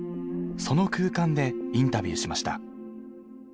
その空間でインタビューしました。